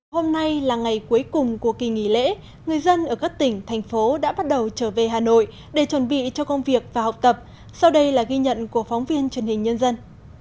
hôm nay là ngày cuối cùng của kỳ nghỉ lễ người dân ở các tỉnh thành phố đã bắt đầu trở về hà nội để chuẩn bị cho công việc và học tập sau đây là ghi nhận của phóng viên truyền hình nhân dân